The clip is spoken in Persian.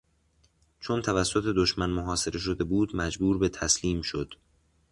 چون توسط دشمن محاصره شده بود مجبور به تسلیم شد.